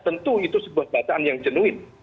tentu itu sebuah bacaan yang jenuin